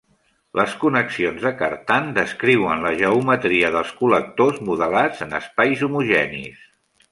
Les connexions de Cartan descriuen la geometria dels col·lectors modelats en espais homogenis.